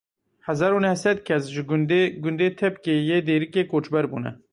Hezar û neh sed kes ji gundê gundê Tepkê yê Dêrikê koçber bûne.